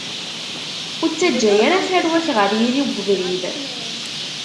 Ur ttaǧǧa ara tarwa-k ɣef yiri n ubrid.